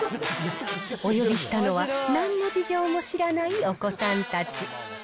お呼びしたのは、なんの事情も知らないお子さんたち。